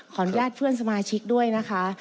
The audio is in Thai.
อนุญาตเพื่อนสมาชิกด้วยนะคะ